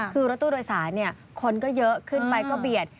คือรถตู้โดยสารคนก็เยอะขึ้นไปก็เบียด